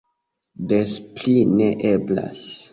Des pli ne eblas!